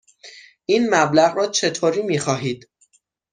این مبلغ را چطوری می خواهید؟